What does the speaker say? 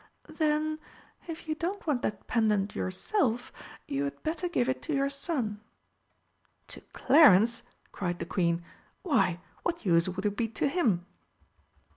"Then, if you don't want that pendant yourself, you had better give it to your son." "To Clarence?" cried the Queen. "Why, what use would it be to him?"